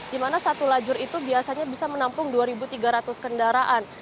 di mana satu lajur itu biasanya bisa menampung dua tiga ratus kendaraan